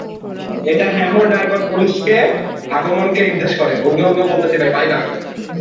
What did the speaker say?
একটা Hammond organ পুলিশের আগমনকে নির্দেশ করে।